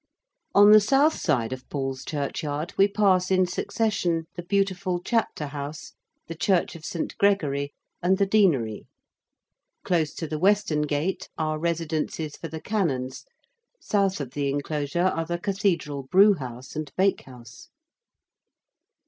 On the south side of Paul's Churchyard we pass in succession the beautiful Chapter House: the Church of St. Gregory and the Deanery. Close to the western gate are residences for the Canons, south of the enclosure are the Cathedral Brewhouse and Bakehouse.